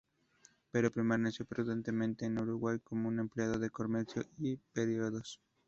Pero permaneció prudentemente en Uruguay, como empleado de comercio y de periódicos.